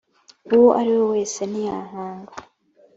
uwo ari we wese ntiyankanga